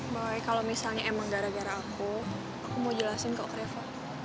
boy kalo misalnya emang gara gara aku aku mau jelasin ke reva